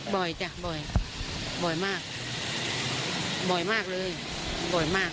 จ้ะบ่อยบ่อยมากบ่อยมากเลยบ่อยมาก